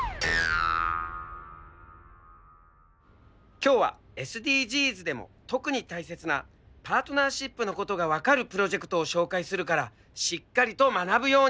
今日はＳＤＧｓでも特に大切なパートナーシップのことが分かるプロジェクトを紹介するからしっかりと学ぶように。